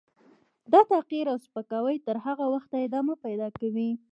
. دا تحقیر او سپکاوی تر هغه وخته ادامه پیدا کوي.